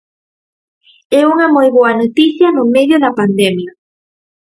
E unha moi boa noticia no medio da pandemia.